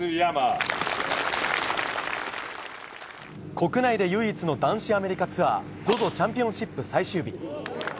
国内で唯一の男子アメリカツアーＺＯＺＯチャンピオンシップ最終日。